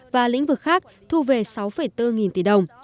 và lĩnh vực khác thu về sáu bốn nghìn tỷ đồng